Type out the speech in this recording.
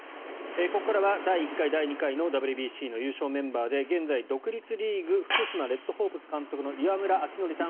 ここからは第１回第２回のＷＢＣの優勝メンバーで現在独立リーグ福島レッドホープス監督の岩村明憲さん